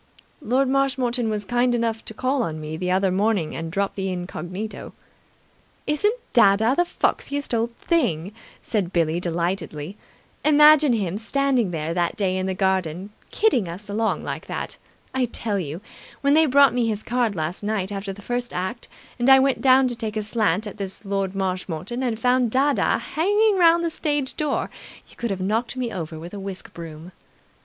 "Lord Marshmoreton was kind enough to call on me the other morning and drop the incognito." "Isn't dadda the foxiest old thing!" said Billie delightedly. "Imagine him standing there that day in the garden, kidding us along like that! I tell you, when they brought me his card last night after the first act and I went down to take a slant at this Lord Marshmoreton and found dadda hanging round the stage door, you could have knocked me over with a whisk broom."